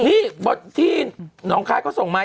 นี่ที่น้องคายเขาส่งไหม